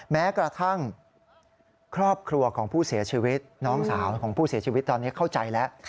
แม้กระทั่งครอบครัวของผู้เสียชีวิตน้องสาวของผู้เสียชีวิตตอนนี้เข้าใจแล้ว